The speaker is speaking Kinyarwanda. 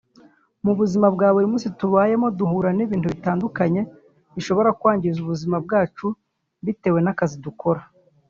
Mu buzima bwa buri munsi tubayemo duhura n’ibintu bitandukanye bishobora kwangiza ubuzima bwacu bitewe n’akazi dukora